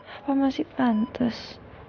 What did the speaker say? apa masih pantas